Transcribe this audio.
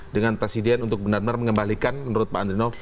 dengan presiden untuk benar benar mengembalikan menurut pak andrino